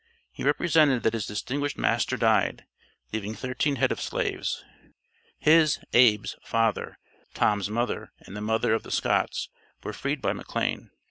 He represented, that his distinguished master died, leaving thirteen head of slaves. His (Abe's) father, Tom's mother and the mother of the Scotts were freed by McLane.